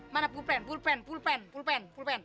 mana pulpen pulpen pulpen pulpen pulpen